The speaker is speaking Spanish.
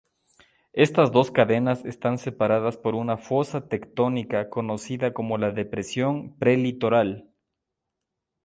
Estas dos cadenas están separadas por una fosa tectónica conocida como la Depresión Prelitoral.